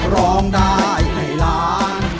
ร้องได้ให้ล้าน